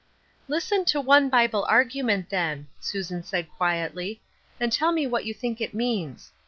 " Listen to one Bible argument, then," Susan said, quietly, " and tell me what you think it means.